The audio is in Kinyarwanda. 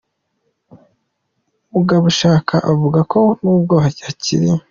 Mugabushaka avuga ko nubwo hakiri.